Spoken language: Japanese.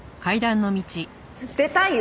出たいよ！